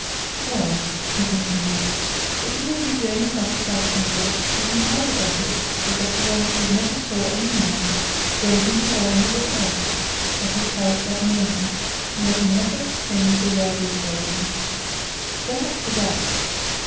"Well," he continued, "if it will give you any satisfaction, Dick, you can tell the gossips that Dr. Ransford never saw any man, Braden or anybody else, at his house that morning, and that he never exchanged a word with Braden. So much for that!